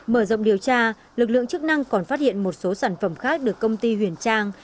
mở rộng điều tra lực lượng chức năng còn phát hiện một số sản phẩm khác được công ty huyền trang